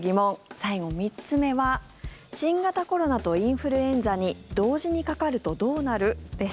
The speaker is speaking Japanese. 最後、３つ目は新型コロナとインフルエンザに同時にかかるとどうなる？です。